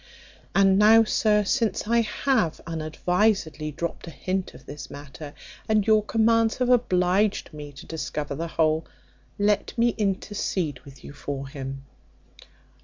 And now, sir, since I have unadvisedly dropped a hint of this matter, and your commands have obliged me to discover the whole, let me intercede with you for him."